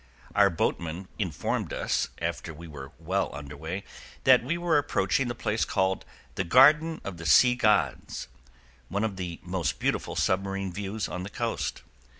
Our boatman informed us, after we were well under way, that we were approaching the place called "The Garden of the Sea Gods," one of the most beautiful submarine views on the coast.